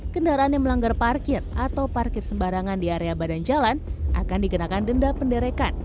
kendaraan yang melanggar parkir atau parkir sembarangan di area badan jalan akan dikenakan denda penderekan